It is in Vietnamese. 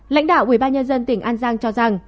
lãnh đạo ubnd tỉnh an giang cho rằng